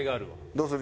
どうする？